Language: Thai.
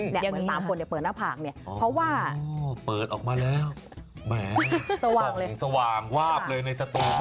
เนี่ยมี๓คนเปิดหน้าผากเนี่ยเพราะว่าเหมือนอย่างนี้นะ